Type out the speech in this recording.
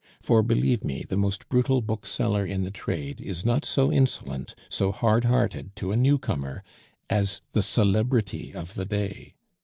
For, believe me, the most brutal bookseller in the trade is not so insolent, so hard hearted to a newcomer as the celebrity of the day.